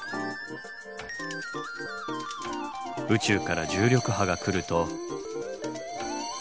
宇宙から重力波が来ると。